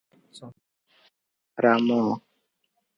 Champa - Ram!